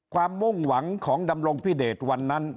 มุ่งหวังของดำรงพิเดชวันนั้น